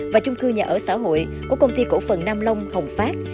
và chung cư nhà ở xã hội của công ty cổ phần nam long hồng phát